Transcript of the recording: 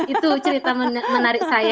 itu cerita menarik saya